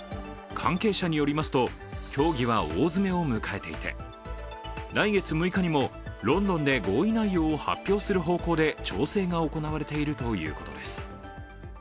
関係者によりますと協議は大詰めを迎えていて、来月６日にもロンドンで合意内容を発表する方向で調整が行われているということです。